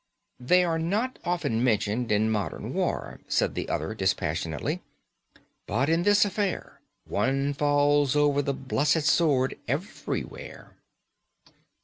"They are not often mentioned in modern war," said the other dispassionately; "but in this affair one falls over the blessed sword everywhere."